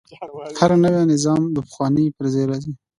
هر نوی نظم د پخواني پر ځای راځي.